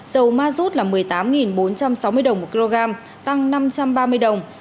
dầu ma rút là một mươi tám bốn trăm sáu mươi đồng một kg tăng năm trăm ba mươi đồng